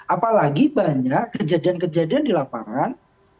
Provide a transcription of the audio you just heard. apalagi banyak kejadian kejadian di lapangan